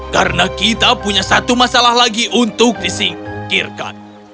karena kita punya satu masalah lagi untuk disingkirkan